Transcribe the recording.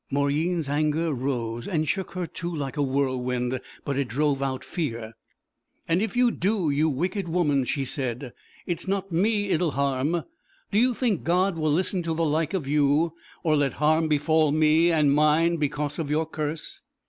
Mauryeen's anger rose and shook her too like a whirlwind, but it drove out fear. 'And if you do, you wicked woman,' she said, 'it's not me it'll harm. Do you think God will listen to the like of you or let harm befall me and mine because of your curse?'